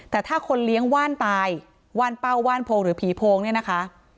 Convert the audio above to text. แต่ถ้าคนเลี้ยงว่านตายว่านเป้าว่านโพงหรือผีโพงเนี่ยนะคะ